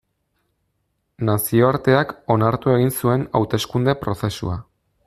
Nazioarteak onartu egin zuen hauteskunde prozesua.